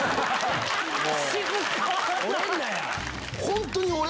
本当に俺。